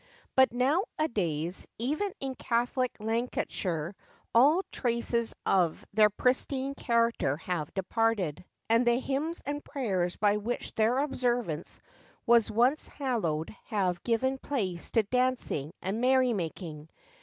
But now a days, even in Catholic Lancashire, all traces of their pristine character have departed, and the hymns and prayers by which their observance was once hallowed have given place to dancing and merry making.